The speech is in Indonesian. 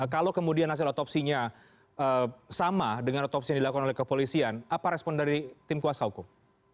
kalau kemudian hasil otopsinya sama dengan otopsi yang dilakukan oleh kepolisian apa respon dari tim kuasa hukum